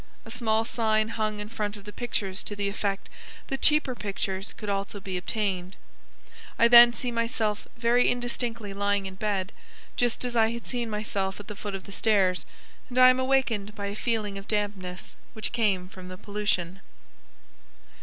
A small sign hung in front of the pictures to the effect that cheaper pictures could also be obtained. I then see myself very indistinctly lying in bed, just as I had seen myself at the foot of the stairs, and I am awakened by a feeling of dampness which came from the pollution."